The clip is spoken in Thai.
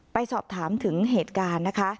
ไปสอบถามถึงเหตุการณ์นะคะ